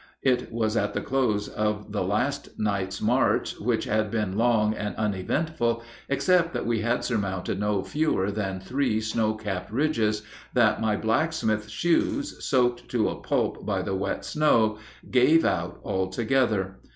It was at the close of the last night's march, which had been long and uneventful, except that we had surmounted no fewer than three snow capped ridges, that my blacksmith's shoes, soaked to a pulp by the wet snow, gave out altogether.